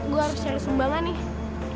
gue harus cari sumbangan nih